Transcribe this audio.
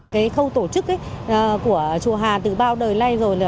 cái khâu tổ chức của chùa hà từ bao đời nay rồi